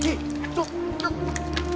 ちょっ！